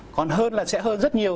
còn hơn là sẽ hơn rất nhiều